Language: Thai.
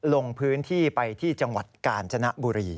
ลงพื้นที่ไปที่จังหวัดกาญจนบุรี